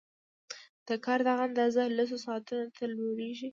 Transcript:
د کار دغه اندازه لسو ساعتونو ته لوړېږي